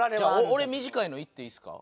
俺短いのいっていいですか？